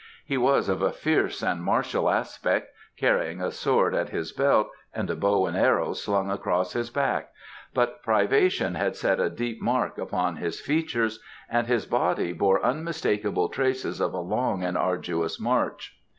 He was of a fierce and martial aspect, carrying a sword at his belt and a bow and arrows slung across his back, but privation had set a deep mark upon his features and his body bore unmistakable traces of a long and arduous march.